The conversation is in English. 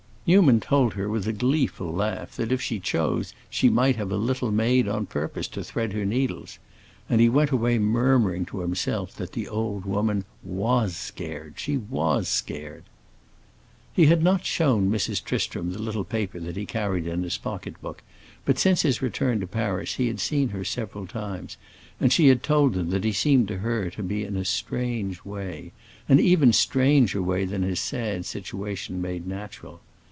Newman told her, with a gleeful laugh, that if she chose she might have a little maid on purpose to thread her needles; and he went away murmuring to himself again that the old woman was scared—she was scared! He had not shown Mrs. Tristram the little paper that he carried in his pocket book, but since his return to Paris he had seen her several times, and she had told him that he seemed to her to be in a strange way—an even stranger way than his sad situation made natural.